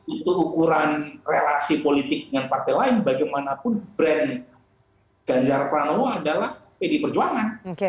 untuk ukuran relasi politik dengan partai lain bagaimanapun brand ganjar pranowo adalah pdi perjuangan